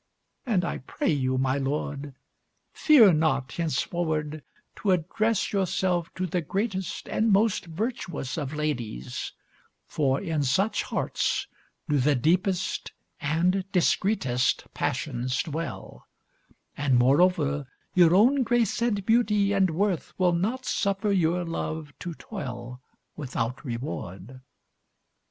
And I pray you, my lord, fear not henceforward to address yourself to the greatest and most virtuous of ladies; for in such hearts do the deepest and discreetest passions dwell, and moreover, your own grace and beauty and worth will not suffer your love to toil without reward.